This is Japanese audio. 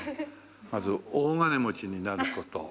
まず大金持ちになる事。